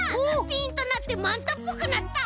ピンッとなってマンタっぽくなった！